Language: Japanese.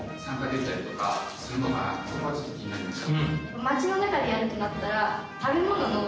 そこがちょっと気になりました。